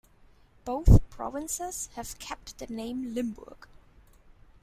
Both provinces have kept the name Limburg.